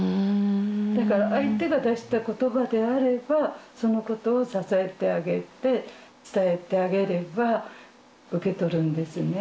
だから相手が出したことばであれば、そのことを支えてあげて、伝えてあげれば受け取るんですよね。